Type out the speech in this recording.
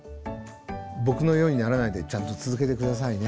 僕のようにならないでちゃんと続けて下さいね。